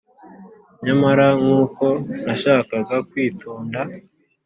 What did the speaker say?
nyamara nkuko nashakaga kwitonda